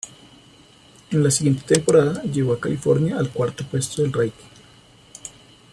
En la siguiente temporada, llevó a California al cuarto puesto del ranking.